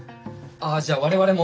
あっじゃあ我々も。